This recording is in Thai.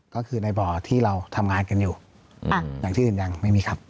ก็คือในบ่อที่เราทำงานกันอยู่อย่างที่อื่นยังไม่มีครับ